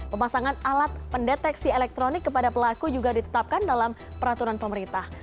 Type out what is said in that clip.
pemasangan alat pendeteksi elektronik kepada pelaku juga ditetapkan dalam peraturan pemerintah